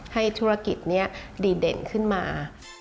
ให้ธุรกิจนี้ดีเด่นขึ้นมา